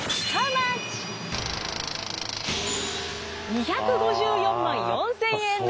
２５４万４，０００円です。